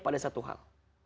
pada satu hal